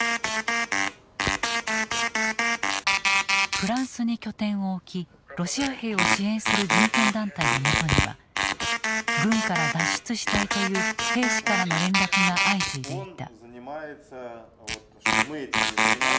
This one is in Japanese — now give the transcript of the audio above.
フランスに拠点を置きロシア兵を支援する人権団体のもとには軍から脱出したいという兵士からの連絡が相次いでいた。